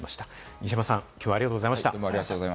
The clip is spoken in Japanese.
西山さん、きょうはありがとうございました。